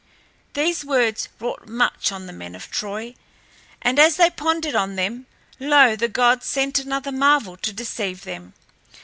'" These words wrought much on the men of Troy, and as they pondered on them, lo! the gods sent another marvel to deceive them.